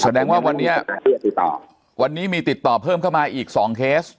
แสดงว่าวันนี้ติดต่อวันนี้มีติดต่อเพิ่มเข้ามาอีกสองเคส